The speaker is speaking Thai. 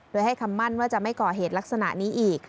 โดยให้คำมั่นว่าจะไม่ก่อเหตุลักษณะนี้อีก